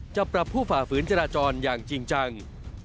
จะปรับผู้ฝ่าฝืนจราจรอย่างจริงจัง